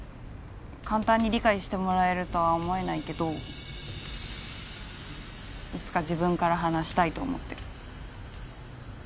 簡単に理解してもらえるとは思えないけどいつか自分から話したいと思ってる。